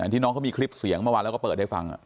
ที่น้องก็มีคลิปเสียงมาว่าแล้วก็เปิดให้ฟัง